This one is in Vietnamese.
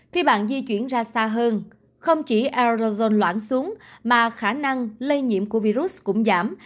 khi bạn di chuyển ra xa hơn không chỉ aeroon loạn xuống mà khả năng lây nhiễm của virus cũng giảm